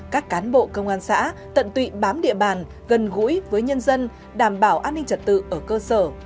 các cán bộ công an xã tận tụy bám địa bàn gần gũi với nhân dân đảm bảo an ninh trật tự ở cơ sở